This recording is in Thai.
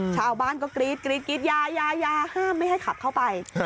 ชาวบ้านก็กรี๊ดกรี๊ดยายาห้ามไม่ให้ขับเข้าไป